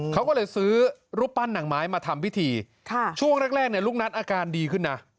เขาก็เลยซื้อรูปปั้นหนังไม้มาทำพิธีช่วงแรกเนี่ยลูกนัทอาการดีขึ้นนะ